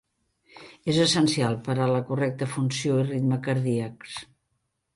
És essencial per a la correcta funció i ritme cardíacs.